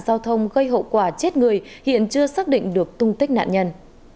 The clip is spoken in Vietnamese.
giao thông gây hậu quả chết người hiện chưa xác định được tung tích nạn nhân